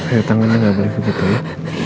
ayo tangannya gak boleh begitu ya